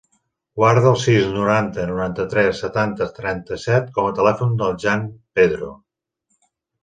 Guarda el sis, noranta, noranta-tres, setanta, trenta-set com a telèfon del Jan Pedro.